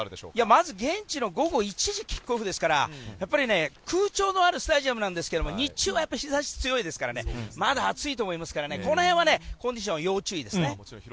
まず現地の午後１時キックオフですから空調のあるスタジアムなんですけど日中は日差しが強いですからまだ暑いと思いますからこの辺のコンディションは要注意です。